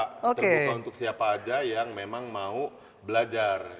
terbuka untuk siapa aja yang memang mau belajar